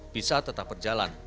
bisa tetap berjalan